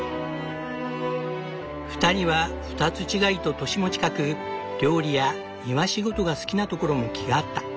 ２人は２つ違いと年も近く料理や庭仕事が好きなところも気が合った。